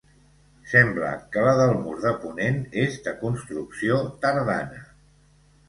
Sembla que la del mur de ponent és de construcció tardana.